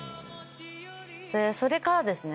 それからですね。